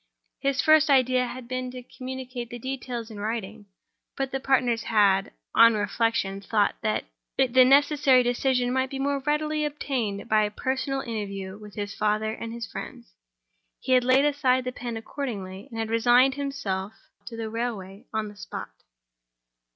His first idea had been to communicate the details in writing; but the partners had, on reflection, thought that the necessary decision might be more readily obtained by a personal interview with his father and his friends. He had laid aside the pen accordingly, and had resigned himself to the railway on the spot.